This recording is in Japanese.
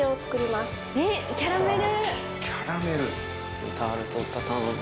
えっキャラメル！